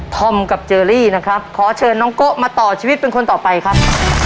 ธอมกับเจอรี่นะครับขอเชิญน้องโกะมาต่อชีวิตเป็นคนต่อไปครับ